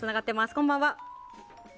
こんばんは。